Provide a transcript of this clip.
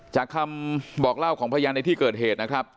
คำบอกเล่าของพยานในที่เกิดเหตุนะครับ